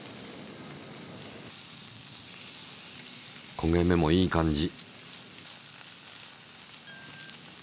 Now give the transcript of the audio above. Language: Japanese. こげ目もいい感じ。